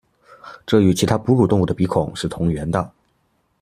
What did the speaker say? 这与其他哺乳动物的鼻孔是同源的。